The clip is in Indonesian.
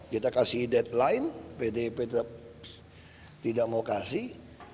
kita kasih deadline pdip tetap tidak mau kasih